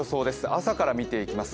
朝から見ていきます。